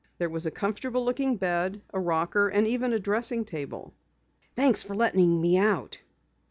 There was a comfortable looking bed, a rocker and even a dressing table. "Thanks for letting me out."